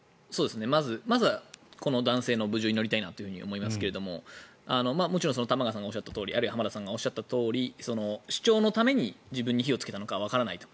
まずはこの男性の無事を祈りたいなと思いますけどもちろん玉川さんがおっしゃったとおりあるいは浜田さんがおっしゃったとおり主張のために自分に火をつけたのかわからないと。